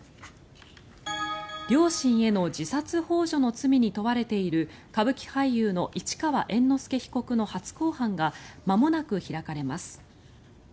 両親への自殺ほう助の罪に問われている歌舞伎俳優の市川猿之助被告の初公判がまもなく開かれます。